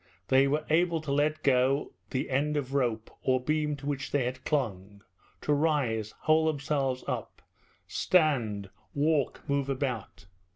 They were able to let go the end of rope or beam to which they had clung, to rise, hold themselves up, stand, walk, move about.